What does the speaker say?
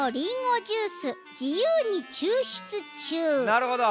なるほど。